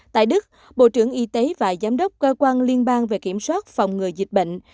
tại đức bộ trưởng y tế và giám đốc cơ quan liên bang về kiểm soát phòng ngừa dịch bệnh